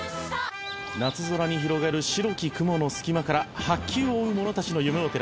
「夏空に広がる白き雲の隙間から白球を追う者たちの夢を照らす日差しもあります」